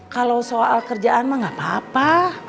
kalau soal kerjaan mah gak apa apa